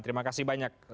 terima kasih banyak